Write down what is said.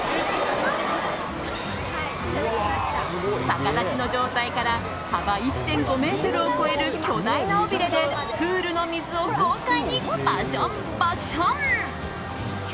逆立ちの状態から幅１．５ｍを超える巨大な尾びれでプールの水を豪快にバシャンバシャン。